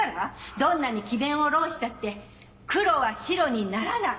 どんなに詭弁を弄したって黒は白にならない。